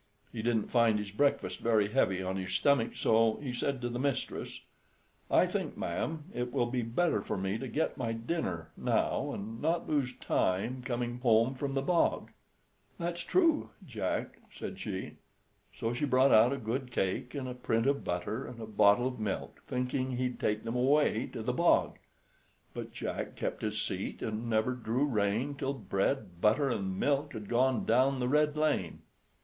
He didn't find his breakfast very heavy on his stomach; so he said to the mistress, "I think, ma'am, it will be better for me to get my dinner now, and not lose time coming home from the bog." "That's true, Jack," said she. So she brought out a good cake, and a print of butter, and a bottle of milk, thinking he'd take them away to the bog. But Jack kept his seat, and never drew rein till bread, butter, and milk had gone down the red lane.